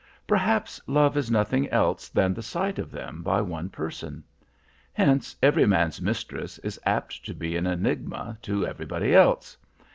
Perhaps love is nothing else than the sight of them by one person. Hence every man's mistress is apt to be an enigma to everybody else.